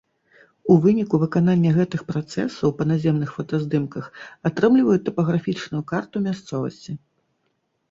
У выніку выканання гэтых працэсаў па наземных фотаздымках атрымліваюць тапаграфічную карту мясцовасці.